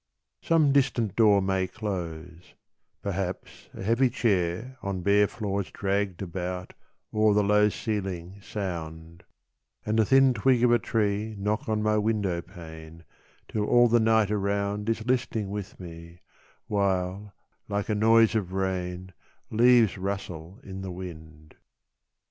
Some distant door may close ; Perhaps a heavy chair On bare floors dragged about O'er the low ceiling sound, And the thin twig of a tree Knock on my window pane Till all the night around Is listening with me, While like a noise of rain Leaves rustle in the wind.